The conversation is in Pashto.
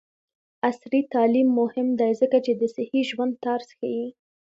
عصري تعلیم مهم دی ځکه چې د صحي ژوند طرز ښيي.